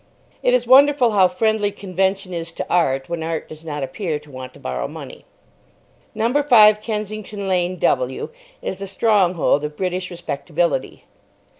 It is wonderful how friendly Convention is to Art when Art does not appear to want to borrow money. No. 5, Kensington Lane, W., is the stronghold of British respectability.